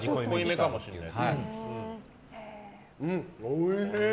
おいしい！